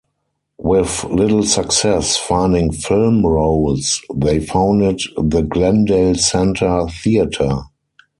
With little success finding film roles, they founded the Glendale Centre Theater.